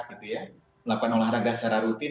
melakukan olahraga secara rutin